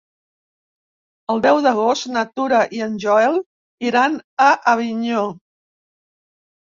El deu d'agost na Tura i en Joel iran a Avinyó.